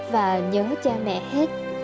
và nhớ cha mẹ hết